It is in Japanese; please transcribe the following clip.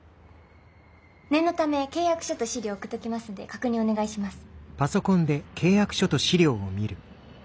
念のため契約書と資料送っときますんで確認お願いします。